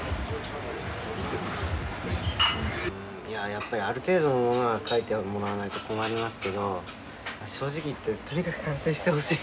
やっぱりある程度のものは描いてもらわないと困りますけど正直言ってとにかく完成してほしい。